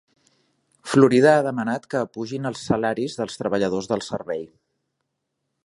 Florida ha demanat que apugin els salaris dels treballadors del servei.